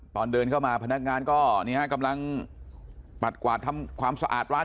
ตอนเดินเข้ามาพนักงานก็กำลังปัดกวาดทำความสะอาดร้าน